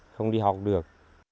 không đi học được